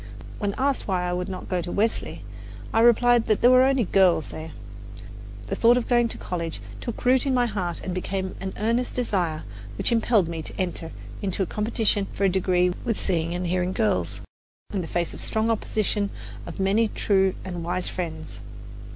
When asked why I would not go to Wellesley, I replied that there were only girls there. The thought of going to college took root in my heart and became an earnest desire, which impelled me to enter into competition for a degree with seeing and hearing girls, in the face of the strong opposition of many true and wise friends.